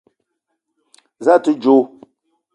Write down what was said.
Za a te djo?